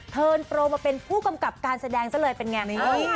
เทินโปรมาเป็นผู้กำกับการแสดงซะเลยเป็นไง